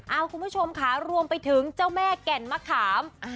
เอาคุณผู้ชมค่ะรวมไปถึงเจ้าแม่แก่นมะขาม